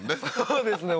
そうですね